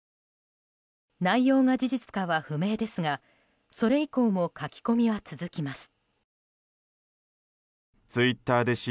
内容が事実かは不明ですがそれ以降も書き込みは続きます。